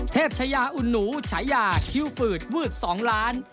ชายาอุ่นหนูฉายาคิวฝืดวืด๒ล้าน